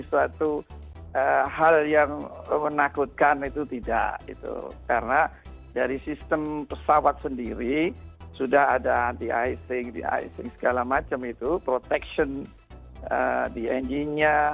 suatu hal yang menakutkan itu tidak karena dari sistem pesawat sendiri sudah ada anti icing di icing segala macam itu protection di eng nya